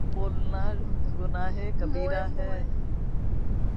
جھوٹ بولنا کبیرہ گناہ ہے